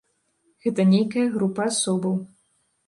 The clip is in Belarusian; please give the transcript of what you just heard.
Гэта нейкая група асобаў.